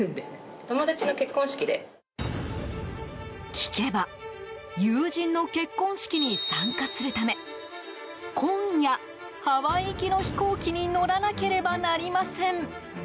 聞けば友人の結婚式に参加するため今夜、ハワイ行きの飛行機に乗らなければなりません。